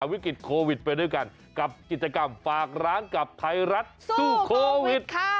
วิกฤตโควิดไปด้วยกันกับกิจกรรมฝากร้านกับไทยรัฐสู้โควิด